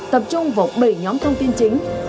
tập trung vào bảy nhóm thông tin chính